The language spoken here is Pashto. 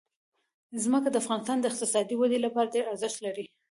ځمکه د افغانستان د اقتصادي ودې لپاره ډېر ارزښت لري.